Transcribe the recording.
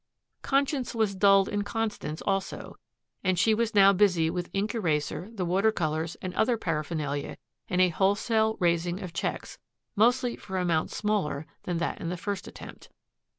Conscience was dulled in Constance, also, and she was now busy with ink eraser, the water colors, and other paraphernalia in a wholesale raising of checks, mostly for amounts smaller than that in the first attempt.